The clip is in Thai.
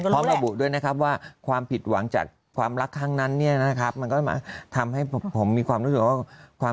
พร้อมบุตรด้วยนะครับว่า